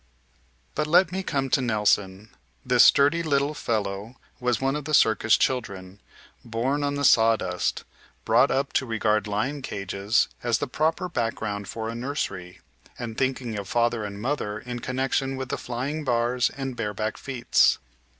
But let me come to Nelson. This sturdy little fellow was one of the circus children, "born on the sawdust," brought up to regard lion cages as the proper background for a nursery, and thinking of father and mother in connection with the flying bars and bareback feats.